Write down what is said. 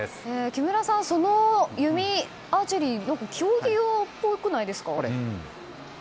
木村さん、その弓はアーチェリーの弓、競技用っぽくないですか？